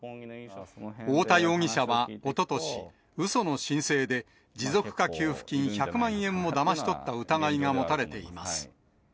太田容疑者はおととし、うその申請で持続化給付金１００万円をだまし取った疑いが持たれています。